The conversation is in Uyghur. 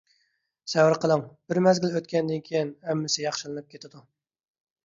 سەۋر قىلىڭ. بىر مەزگىل ئۆتكەندىن كېيىن ھەممىسى ياخشىلىنىپ كېتىدۇ.